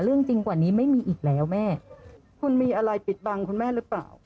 จริงกว่านี้ไม่มีอีกแล้วแม่คุณมีอะไรปิดบังคุณแม่หรือเปล่า